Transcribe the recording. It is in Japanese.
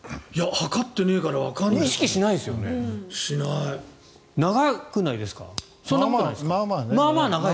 測ってないからわからない。